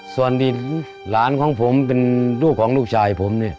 ส่วนที่หลานของผมเป็นลูกของลูกชายผมเนี่ย